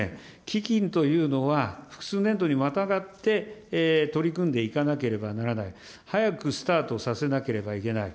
基金というのは、複数年度にまたがって取り組んでいかなければならない、早くスタートさせなければいけない。